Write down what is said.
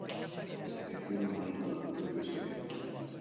Gizakiak klima manipulatu dezake?